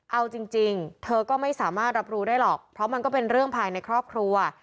เอาจริงเธอก็ไม่สามารถรับรู้ได้หรอกเพราะมันก็เป็นเรื่องภายในครอบครัว